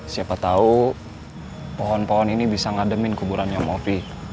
siapa tau pohon pohon ini bisa ngademin kuburannya om ovi